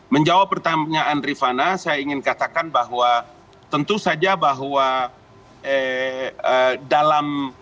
menjawab pertanyaan rifana saya ingin katakan bahwa tentu saja bahwa dalam